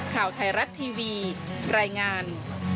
ข่าวไทยรัฐทีวีรายงาน